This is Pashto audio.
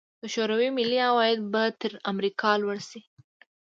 د شوروي ملي عواید به تر امریکا لوړ شي.